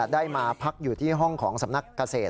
ได้มาพักอยู่ที่ห้องของสำนักเกษตร